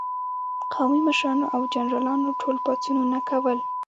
قومي مشرانو او جنرالانو ټول پاڅونونه کول.